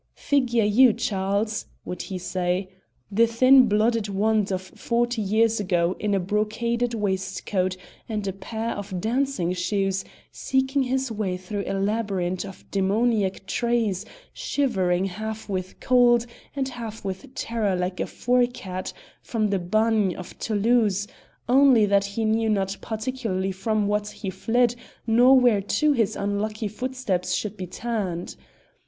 "Figure you! Charles," would he say, "the thin blooded wand of forty years ago in a brocaded waistcoat and a pair of dancing shoes seeking his way through a labyrinth of demoniac trees, shivering half with cold and half with terror like a forcat from the bagne of Toulouse, only that he knew not particularly from what he fled nor whereto his unlucky footsteps should be turned.